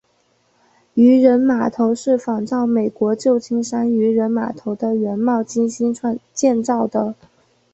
渔人码头是仿照美国旧金山渔人码头的原貌精心建造的。